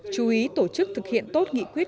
chú ý tổ chức thực hiện tốt nghị quyết